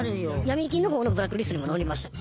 ヤミ金の方のブラックリストにも載りました。